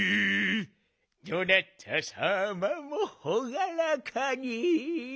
「どなたさまもほがらかに」